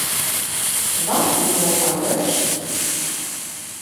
Wat doen jou ouers?